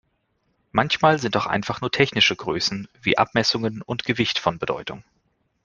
Manchmal sind auch einfach nur technische Größen wie Abmessungen und Gewicht von Bedeutung.